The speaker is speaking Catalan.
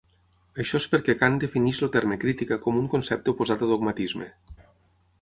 Això és perquè Kant defineix el terme "crítica" com un concepte oposat a dogmatisme.